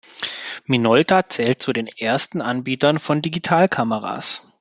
Minolta zählt zu den ersten Anbietern von Digitalkameras.